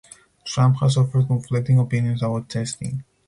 Trump has offered conflicting opinions about testing.